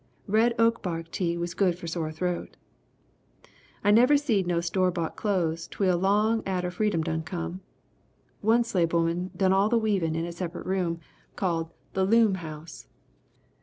Red oak bark tea was good for sore throat. "I never seed no store bought clothes twel long atter freedom done come! One slave 'oman done all the weavin' in a separate room called the 'loom house.'